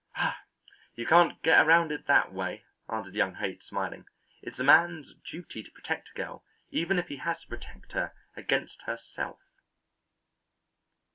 "Ah, you can't get around it that way," answered young Haight, smiling. "It's a man's duty to protect a girl, even if he has to protect her against herself."